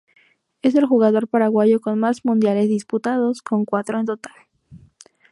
Es el jugador paraguayo con más mundiales disputados, con cuatro en total.